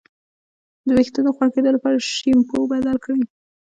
د ویښتو د غوړ کیدو لپاره شیمپو بدل کړئ